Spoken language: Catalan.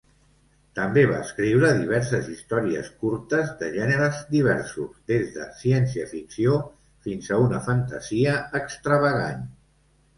També va escriure diverses històries curtes de gèneres diversos, des de ciència-ficció fins a una fantasia extravagant.